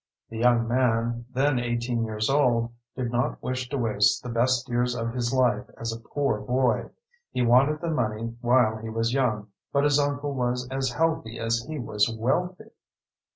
The young man, then 18 years old, did not wish to waste the "best years of his life" as a poor boy. He wanted the money while he was young, but his uncle was as healthy as he was wealthy.